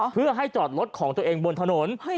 เพื่อให้จอดรถของตัวเองบนถนน